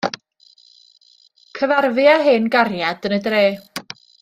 Cyfarfu â hen gariad yn y dre.